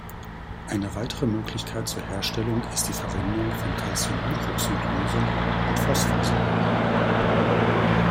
Eine weitere Möglichkeit zur Herstellung ist die Verwendung von Calciumhydroxid-Lösung und Phosphorsäure.